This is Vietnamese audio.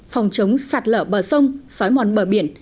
phòng chống sạt lở bờ sông xói mòn bờ biển